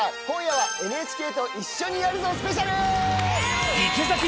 今夜はＮＨＫと一緒にやるぞスペシャル！